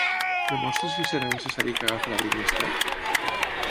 Em mostres si serà necessari que agafi l'abric més tard?